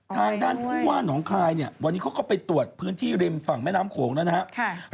ทางด้านผู้ว่าหนองคายเนี่ยวันนี้เขาก็ไปตรวจพื้นที่ริมฝั่งแม่น้ำโขงแล้วนะครับ